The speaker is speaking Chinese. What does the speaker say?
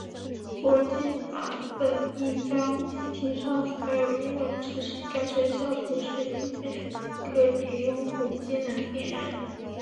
国际版本亦将机体上所有英文指示改成小图示以便各地用户皆能辨认。